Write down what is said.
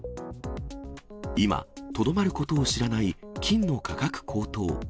今、とどまることを知らない金の価格高騰。